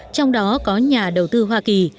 trong đó có nhà đầu tư hoa kỳ